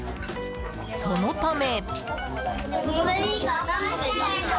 そのため。